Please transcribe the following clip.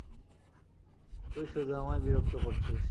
তুই শুধু আমায় বিরক্ত করছিস।